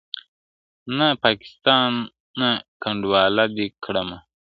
نا پاکستانه کنډواله دي کړمه-